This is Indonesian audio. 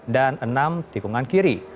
dan enam tikungan kiri